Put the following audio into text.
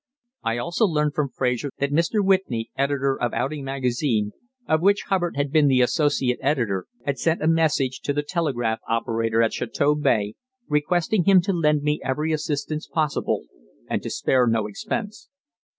I also learned from Fraser that Mr. Whitney, editor of Outing magazine, of which Hubbard had been the associate editor, had sent a message to the telegraph operator at Chateau Bay requesting him to lend me every assistance possible and "to spare no expense."